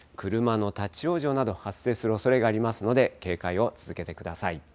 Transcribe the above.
車の立往生など発生するおそれがありますので警戒を続けてください。